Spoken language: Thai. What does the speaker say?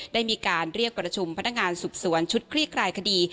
ได้มีการเรียกประชุมพนักงานสอบสวนชุดคลี่คลายคดี